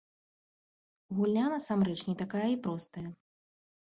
Гульня насамрэч не такая і простая.